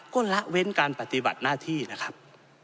ก็ละเว้นการปฏิบัติหน้าที่นะครับ